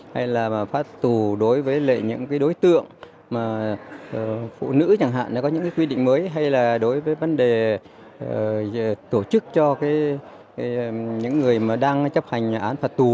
hay là phát tù đối với những đối tượng phụ nữ chẳng hạn có những quy định mới hay là đối với vấn đề tổ chức cho những người đang chấp hành án phạt tù